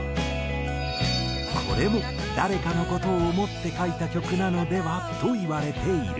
これも誰かの事を想って書いた曲なのでは？といわれている。